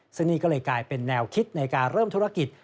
ซึ่งนี่ก็เลยกลายเป็นแนวคิดในการเริ่มธุรกิจ